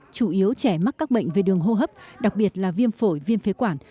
chủ yếu trẻ mắc các bệnh về đường hô hấp đặc biệt là viêm phổi viêm phế quản